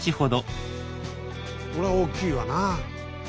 これは大きいわな。